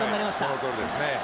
その通りですね。